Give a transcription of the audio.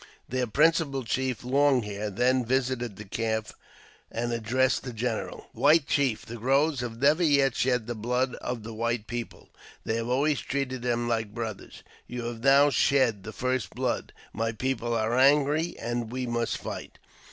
Their principal chief, "Long Hair," then visited the camp, and addressed the general :" White Chief, the Crows have never yet shed the blood of the white people ; they have always treated them like brothers. You have now shed the first blood ; my people are angry, and we must fight."